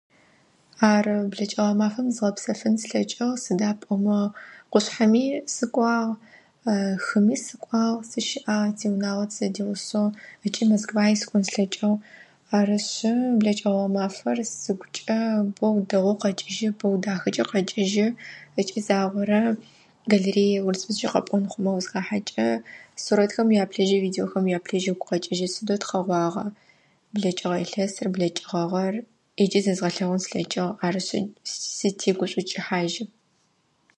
Ар блэкӏыгъэ гъэмафэм зызгъэпсэфын слъэкӏыгъ сыда пӏомэ къушъхьэми сыкӏуагъ, хыми сыкӏуагъ, сыщыӏагъ тиунагъо тызэдигъусэу ыкӏи Москваи сыкӏон слъэкӏыгъ. Арышъы блэкӏыгъэ гъэмафэр сыгукӏэ боу дэгъоу къэкӏыжьы, боу дахэкӏэ къэкӏыжьы ыкӏи загъорэ галерея урысыбзэкӏэ къэпӏон хъумэ узхахьэкӏэ сурэтхэм уяплъыжьы, видеохэм уяплъыжьы, угу къэкӏыжьы сыдэу тхъэгъуагъа! Блэкӏыгъэ илъэсыр, блэкӏыгъэ гъэр ӏеджи зэзгъэлъэгъун слъэкӏыгъ арышъы сызтегушӏукӏыхьажьы.